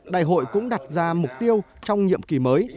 đại hội cũng đặt ra mục tiêu trong nhiệm kỳ mới